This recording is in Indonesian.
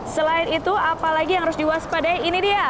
selain itu apalagi yang harus diwaspadai ini dia